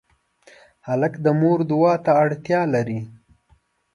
هلک د مور دعا ته اړتیا لري.